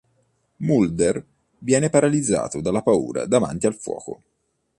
Mulder viene paralizzato dalla paura davanti al fuoco.